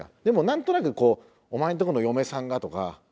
でも何となくこうお前んとこの嫁さんがとか。